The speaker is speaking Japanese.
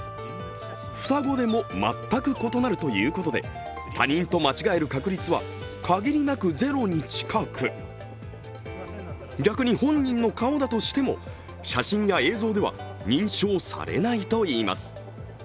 双子でも全く異なるということで、他人と間違える確率は限りなくゼロに近く逆に本人の顔だとしても、写真や映像では認証されないといいます。